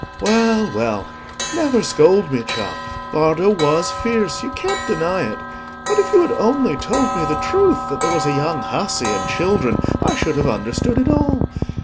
Well, well; never scold me, child: Bardo was fierce, you can't deny it. But if you had only told me the truth, that there was a young hussey and children, I should have understood it all.